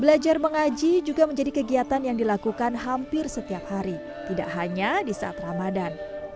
belajar mengaji juga menjadi kegiatan yang dilakukan hampir setiap hari tidak hanya di saat ramadan